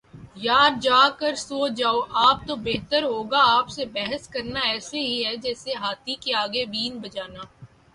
یار جا کر سو جاﺅ آپ تو بہتر ہو گا، آپ سے بحث کرنا ایسے ہی ہے جسیے ہاتھی کے آگے بین بجانا